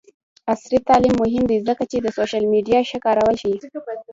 عصري تعلیم مهم دی ځکه چې د سوشل میډیا ښه کارول ښيي.